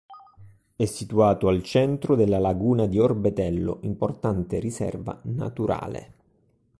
È situato al centro della Laguna di Orbetello, importante riserva naturale.